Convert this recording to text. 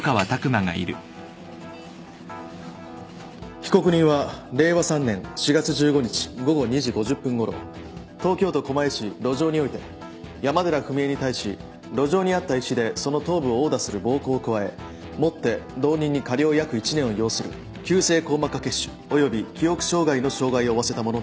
被告人は令和３年４月１５日午後２時５０分ごろ東京都狛江市路上において山寺史絵に対し路上にあった石でその頭部を殴打する暴行を加えもって同人に加療約１年を要する急性硬膜下血腫および記憶障害の傷害を負わせたものである。